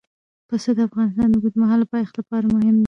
پسه د افغانستان د اوږدمهاله پایښت لپاره مهم دی.